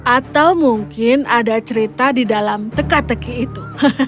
atau mungkin ada cerita di dalam tegak tegak itu